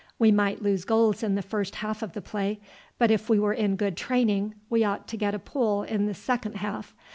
We might lose goals in the first half of the play, but if we were in good training we ought to get a pull in the second half.